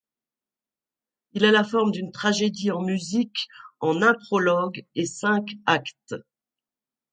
Il a la forme d'une tragédie en musique en un prologue et cinq actes.